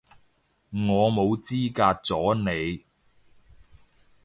我冇資格阻你